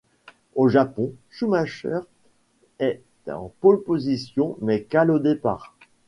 Au Japon, Schumacher est en pole position mais cale au départ.